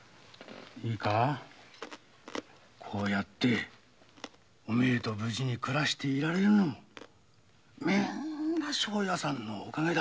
こうやってお前と無事に暮らしていられるのもみんな庄屋さんのお陰だ。